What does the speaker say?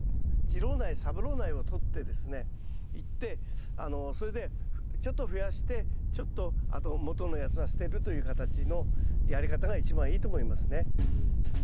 次郎苗三郎苗を取ってですねいってそれでちょっと増やしてちょっとあと元のやつは捨てるという形のやり方が一番いいと思いますね。